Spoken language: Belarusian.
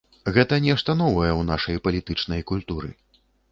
Гэта нешта новае ў нашай палітычнай культуры.